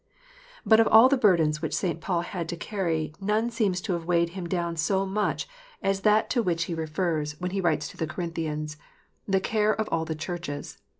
But of all the burdens which St. Paul had to carry, none seems to have weighed him down so much as that to which he 386 KNOTS UNTIED. refers, when he writes to the Corinthians, "the care of all the Churches."